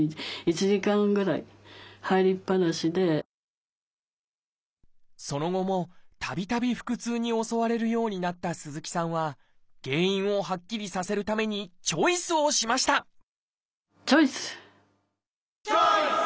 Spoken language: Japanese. その痛さっていうのがその後もたびたび腹痛に襲われるようになった鈴木さんは原因をはっきりさせるためにチョイスをしましたチョイス！